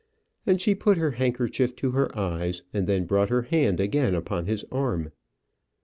And she put her handkerchief to her eyes, and then brought her hand again upon his arm.